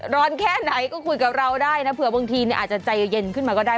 แค่ไหนก็คุยกับเราได้นะเผื่อบางทีอาจจะใจเย็นขึ้นมาก็ได้